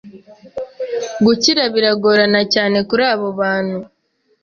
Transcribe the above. gukira biragorana cyane kuri abo bantu